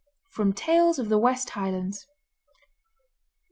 [From Tales of the West Highlands.